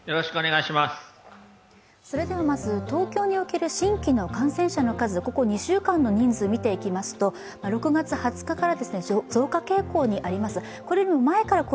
まず東京における新規の感染者の数、ここ２週間の人数、みていきますと６月２０日から増加傾向にあります。